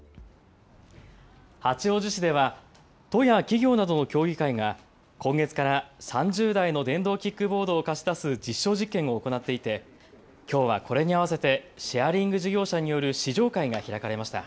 八王子市では都や企業などの協議会が今月から３０台の電動キックボードを貸し出す実証実験を行っていてきょうはこれに合わせてシェアリング事業者による試乗会が開かれました。